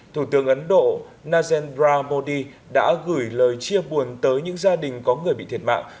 thủ tướng ấn độ najendra modi đã gửi lời chia buồn tới những gia đình có người bị thiệt mạng